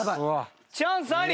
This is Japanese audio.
チャンスあり！